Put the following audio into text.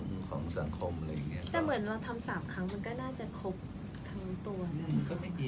แต่เหมือนเราทำ๓ครั้งมันก็น่าจะครบทั้งตัว